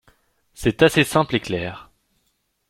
C’est assez simple et clair.